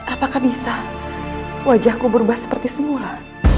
apakah bisa wajahku berubah seperti semula